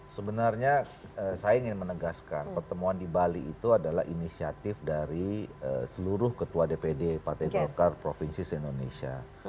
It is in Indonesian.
sebenarnya saya ingin menegaskan pertemuan di bali itu adalah inisiatif dari seluruh ketua dpd partai golkar provinsi se indonesia